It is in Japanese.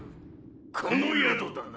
この宿だな。